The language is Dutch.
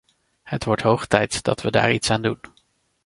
Het wordt hoog tijd dat we daar iets aan doen.